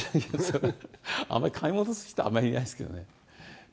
あまり買い戻す人、あまりいないですけどね。